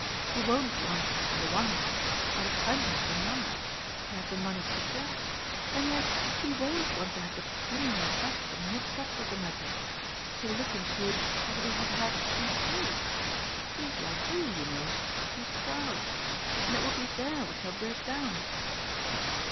He won't want, on the one hand out of kindness for Nanda to have the money suppressed; and yet he won't want to have the pecuniary question mixed up with the matter: to look in short as if he had had to be paid. He's like you, you know he's proud; and it will be there we shall break down."